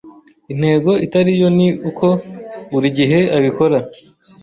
Intego itari yo ni uko buri gihe abikora